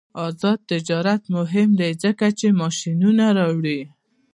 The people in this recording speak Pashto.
آزاد تجارت مهم دی ځکه چې ماشینونه راوړي.